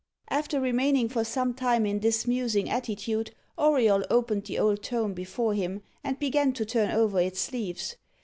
After remaining for some time in this musing attitude, Auriol opened the old tome before him, and began to turn over its leaves.